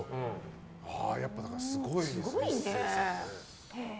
やっぱりすごいんですね。